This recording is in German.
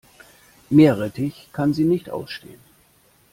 Meerrettich kann sie nicht ausstehen.